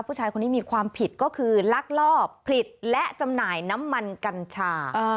ผู้ชายคนนี้มีความผิดก็คือลักลอบผลิตและจำหน่ายน้ำมันกัญชา